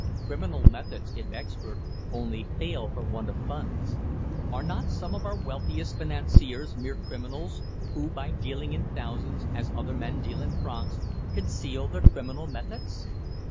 Criminal methods, if expert, only fail for want of funds. Are not some of our wealthiest financiers mere criminals who, by dealing in thousands, as other men deal in francs, conceal their criminal methods?